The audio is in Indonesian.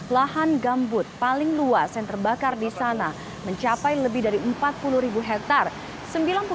lahan gambut paling luas yang terbakar di sana mencapai lebih dari empat puluh ribu hektare